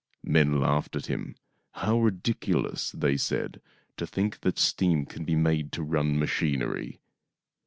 Men laughed at him. " How ridiculous," they said, " to think that steam can be made to run machinery